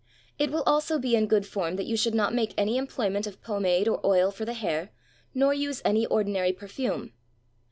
It will also be in good form that you should not make any employment of pomade or oil for the hair, nor use any ordinary perfume.